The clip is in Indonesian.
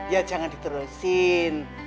ya jangan diterusin